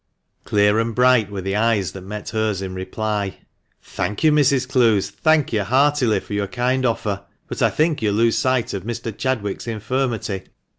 Clear and bright were the eyes that met hers in reply. "Thank you, Mrs. Clowes, thank you heartily for your kind offer; but I think you lose sight of Mr. Chadwick's infirmity.